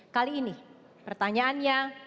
kali ini pertanyaannya